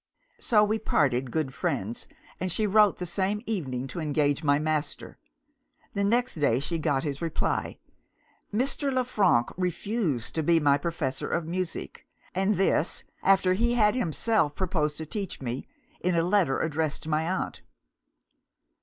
"So we parted good friends, and she wrote the same evening to engage my master. The next day she got his reply. Mr. Le Frank refused to be my professor of music and this, after he had himself proposed to teach me, in a letter addressed to my aunt!